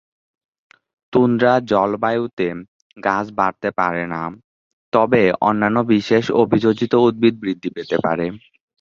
Tundra জলবায়ুতে গাছ বাড়তে পারে না, তবে অন্যান্য বিশেষ অভিযোজিত উদ্ভিদ বৃদ্ধি পেতে পারে।